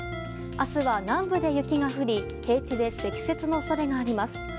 明日は南部で雪が降り平地で積雪の恐れがあります。